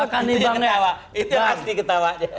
itu yang pasti ketawa